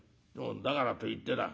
だからといってだ